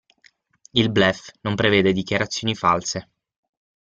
Il "bluff" non prevede dichiarazioni false.